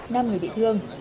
năm người bị thương